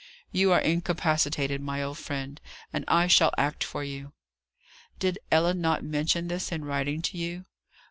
You are incapacitated, my old friend, and I shall act for you." "Did Ellen not mention this, in writing to you?"